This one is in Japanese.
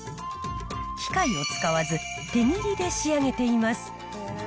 機械を使わず手切りで仕上げています。